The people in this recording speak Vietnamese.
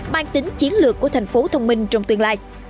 mang tính chiến lược của thành phố thông minh trong tương lai